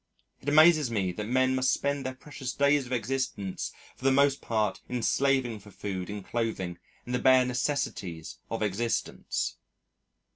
It amazes me that men must spend their precious days of existence for the most part in slaving for food and clothing and the bare necessaries of existence.